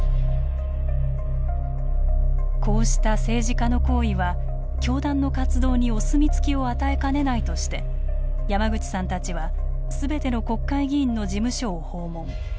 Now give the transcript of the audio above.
こうした政治家の行為は教団の活動にお墨付きを与えかねないとして山口さんたちはすべての国会議員の事務所を訪問。